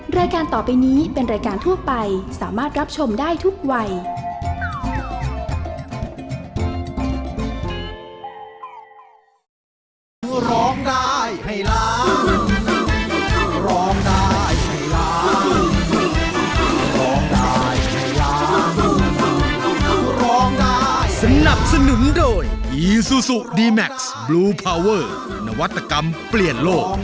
รายการต่อไปนี้เป็นรายการทั่วไปสามารถรับชมได้ทุกวัย